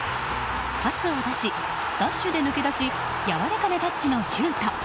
パスを出しダッシュで抜け出しやわらかなタッチのシュート。